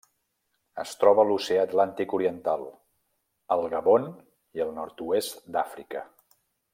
Es troba a l'Oceà Atlàntic oriental: el Gabon i el nord-oest d'Àfrica.